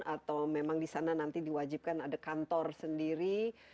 atau memang disana nanti diwajibkan ada kantor sendiri